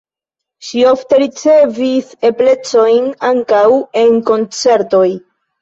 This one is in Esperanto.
Ŝi ofte ricevis eblecojn ankaŭ en koncertoj.